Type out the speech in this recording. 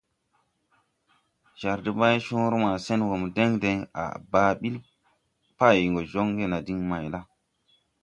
Jar debaywoore ma sen mo deŋ deŋ à á ɓil pay joŋge na diŋ may la? ».